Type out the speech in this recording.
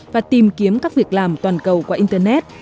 và tìm kiếm các việc làm toàn cầu qua internet